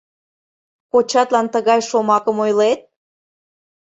Кочатлан тыгай шомакым ойлет?